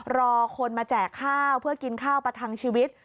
รอคนมาแจกข้าวเพื่อกินข้าวประทังชีวิต